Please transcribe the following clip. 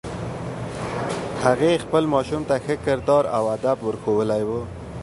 هغې خپل ماشوم ته ښه کردار او ادب ور ښوولی